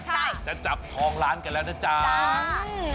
ใช่จะจับทองล้านกันแล้วนะจ๊ะ